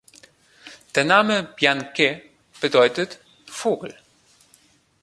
Der Name Bian Que bedeutet „Vogel“.